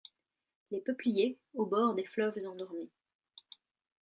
Les peupliers, au bord des fleuves endormis